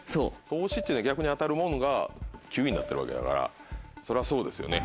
投資っていう逆に当たるもんが９位になってるわけだからそれはそうですよね。